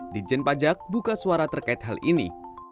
dijen pajak buka suara terkait hal ini